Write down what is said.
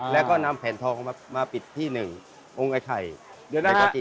แล้วก็นำแผ่นทองมาปิดที่หนึ่งองค์ไอ้ไข่เด็กวัดจีดี